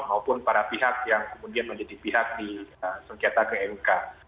maupun para pihak yang kemudian menjadi pihak di sengketa ke mk